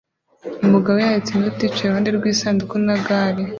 Umugabo yanditse inoti yicaye iruhande rw'isanduku na gare